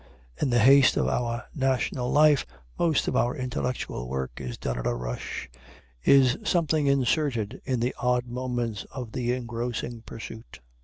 In the haste of our national life, most of our intellectual work is done at a rush, is something inserted in the odd moments of the engrossing pursuit.